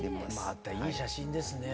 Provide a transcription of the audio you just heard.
またいい写真ですね。